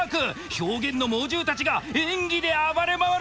表現の猛獣たちが演技で暴れ回る！